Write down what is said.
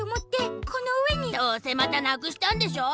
どうせまたなくしたんでしょ？